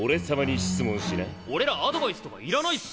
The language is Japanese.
俺らアドバイスとかいらないっす。